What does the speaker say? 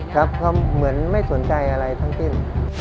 ครับก็เหมือนไม่สนใจอะไรทั้งสิ้น